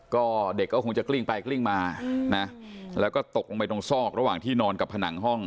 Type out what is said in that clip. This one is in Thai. ก็เด็กก็คงจะกลิ้งไปกลิ้งมานะแล้วก็ตกลงไปตรงซอกระหว่างที่นอนกับผนังห้อง